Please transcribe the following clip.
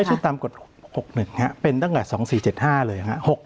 ไม่ใช่ตามกฎ๖๑ครับเป็นตั้งแต่๒๔๗๕เลยครับ